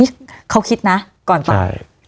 นี่เค้าคิดนะก่อนตอบ